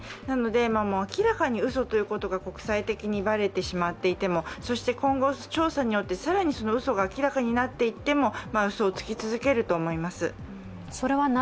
なので明らかにうそということが国際的にばれてしまっていても、そして今後、調査によって更にそのうそが明らかになっていってもうそをつき続けると思います。